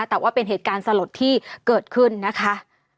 แต่ว่าเป็นเหตุการณ์สลดที่เกิดขึ้นนะคะ